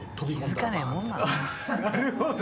なるほど。